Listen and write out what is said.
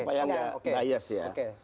supaya tidak layas ya